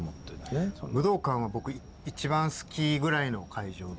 武道館は僕一番好きぐらいの会場で。